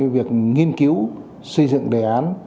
việc nghiên cứu xây dựng đề án